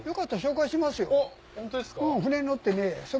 うん船に乗ってね。